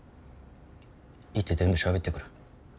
行って全部しゃべってくる。